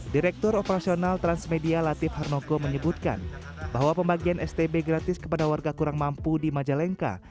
direktur operasional transmedia latif harnoko menyebutkan bahwa pembagian stb gratis kepada warga kurang mampu di majalengka